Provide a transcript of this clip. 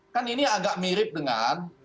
kan ini agak mirip dengan